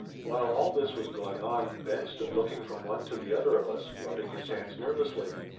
While all this was going on Ben stood looking from one to the other of us, rubbing his hands nervously.